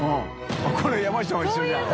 海山下も一緒じゃん。